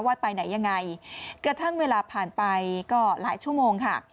ไปไหนยังไงกระทั่งเวลาผ่านไปก็หลายชั่วโมงค่ะ